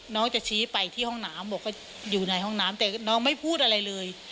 น้องจะชี้ไปที่ห้องน้ำบอกว่าอยู่ในห้องน้ำแต่น้องไม่พูดอะไรเลย